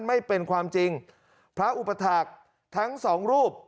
ไม่เป็นความจริงพระอุปถาคทั้งสองรูป